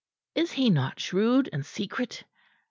"Is he not shrewd and secret?